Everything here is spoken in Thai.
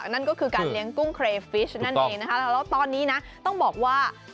นั่นก็คือการเลี้ยงกุ้งเครฟิชนั่นเองนะคะแล้วตอนนี้นะต้องบอกว่า